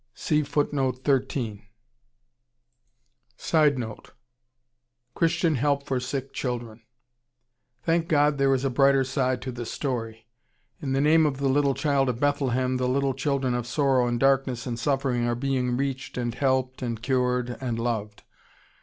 [Sidenote: Christian help for sick children.] Thank God, there is a brighter side to the story. In the name of the little Child of Bethlehem the little children of sorrow and darkness and suffering are being reached and helped and cured and loved.